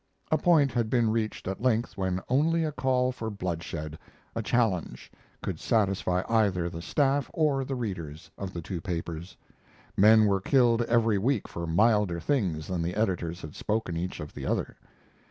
A point had been reached at length when only a call for bloodshed a challenge could satisfy either the staff or the readers of the two papers. Men were killed every week for milder things than the editors had spoken each of the other.